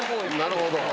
なるほど。